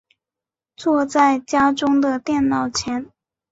坐在家中的电脑前